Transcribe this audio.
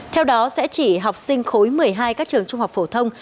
theo đó sẽ chỉ học sinh khối một mươi hai các trường trung học phổ thông